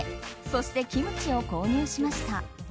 そしてキムチを購入しました。